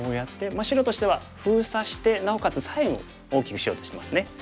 まあ白としては封鎖してなおかつ左辺を大きくしようとしてますね。